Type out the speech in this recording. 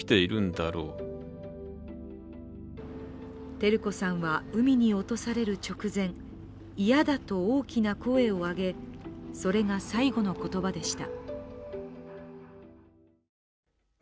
照子さんは海に落とされる直前嫌だと、大きな声を上げそれが最期の言葉でした。